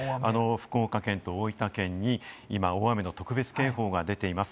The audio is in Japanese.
福岡県と大分県に今、大雨の特別警報が出ています。